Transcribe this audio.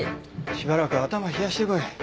しばらく頭冷やして来い。